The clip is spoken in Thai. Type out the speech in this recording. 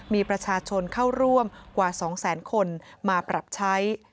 มีประชาชนเข้าร่วมกว่า๒แสนคนมาปรับใช้